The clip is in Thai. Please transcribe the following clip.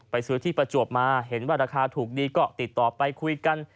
ซื้อที่ประจวบมาเห็นว่าราคาถูกดีก็ติดต่อไปคุยกัน